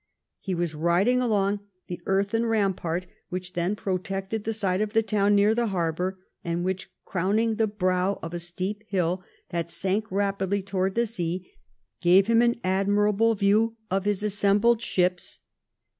He was riding along the earthen rampart, which then protected the side of the town next the harbour, and which, crowning the brow of a steep hill that sank rapidly towards the sea, gave him an admirable view of his assembled ships.